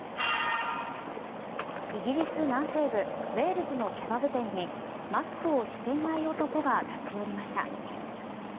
イギリス南西部ウェールズのケバブ店にマスクをしていない男が立ち寄りました。